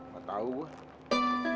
gak tau gue